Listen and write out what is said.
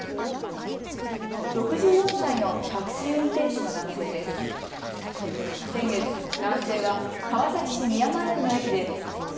６４歳のタクシー運転手の男性です。